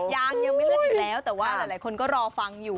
ยังยังไม่เลื่อนอยู่แล้วแต่ว่าหลายคนก็รอฟังอยู่